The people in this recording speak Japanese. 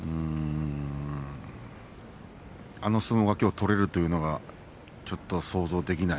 あの相撲がきょう取れるというのがちょっと想像できない。